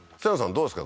どうですか？